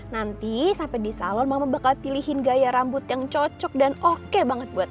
nanti sampai di salon mama bakal pilihin gaya rambut yang cocok dan oke banget buat